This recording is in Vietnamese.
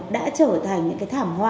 đã trở thành những cái thảm họa